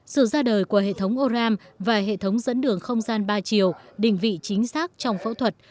sự ra đời của hệ thống o ram và hệ thống dẫn đường không gian ba chiều đỉnh vị chính xác trong phẫu thuật